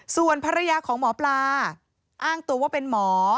ส่วนภรรยาของหมอปลาอ้างตัวว่าเป็นหมอ